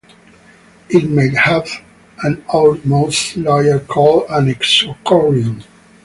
It may have an outermost layer called an "exochorion".